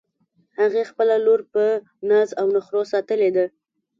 هغې خپله لور په ناز او نخروساتلی ده